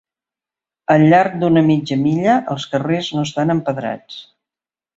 Al llarg d'una mitja milla, els carrers no estan empedrats.